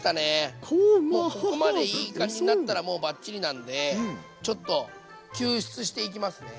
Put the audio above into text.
ここまでいい感じになったらもうバッチリなんでちょっと救出していきますね。